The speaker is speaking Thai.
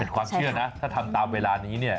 ความเชื่อนะถ้าทำตามเวลานี้เนี่ย